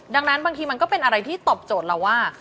ดังนั้นบางทีมันก็เป็นอะไรที่ตอบโจทย์เราว่า